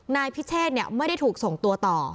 นายพิเชษไม่ได้ถูกส่งตัวต่อ